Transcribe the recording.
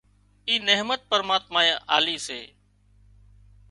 اي نحمت پرماتمائي آلي تي